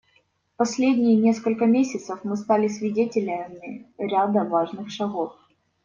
В последние несколько месяцев мы стали свидетелями ряда важных шагов.